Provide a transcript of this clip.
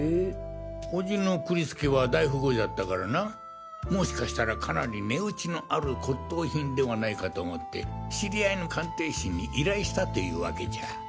伯父の栗介は大富豪じゃったからなもしかしたらかなり値打ちのある骨董品ではないかと思って知り合いの鑑定士に依頼したというワケじゃ。